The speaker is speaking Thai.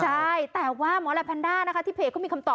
ใช่แต่ว่าหมอและแพนด้านะคะที่เพจเขามีคำตอบ